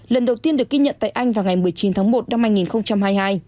lần đầu tiên được ghi nhận tại anh vào ngày một mươi chín tháng một năm hai nghìn hai mươi hai